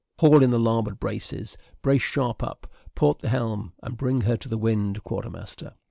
"Haul in the larboard braces brace sharp up port the helm, and bring her to the wind, quarter master."